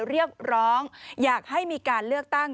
เรียกร้องอยากให้มีการเลือกตั้ง